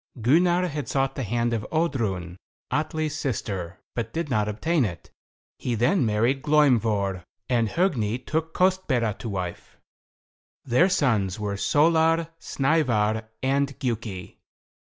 Gunnar had sought the hand of Oddrun, Atli's sister, but did not obtain it. He then married Glaumvor, and Hogni took Kostbera to wife. Their sons were Solar, Snævar, and Giuki.